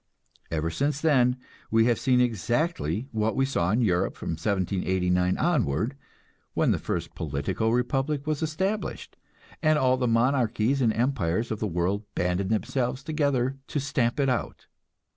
Ever since then we have seen exactly what we saw in Europe from 1789 onward, when the first political republic was established, and all the monarchies and empires of the world banded themselves together to stamp it out.